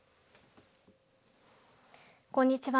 こんにちは。